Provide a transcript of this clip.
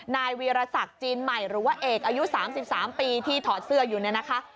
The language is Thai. นายวีรศักดิ์จีนใหม่หรือว่าเอกอายุ๓๓ปีที่ถอดเสื้ออยู่เนี่ยนะคะ